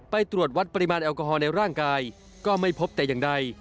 ไปตรวจวัดปริมาณแอลกอฮอลในร่างกายก็ไม่พบแต่อย่างใด